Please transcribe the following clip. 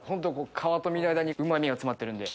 皮と身の間にうま味が詰まってるんで。